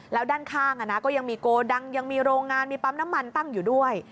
แล้วด้านข้างก็ยังมีโกดังยังมีโรงงานมีปั๊มน้ำมันตั้งอยู่ด้วย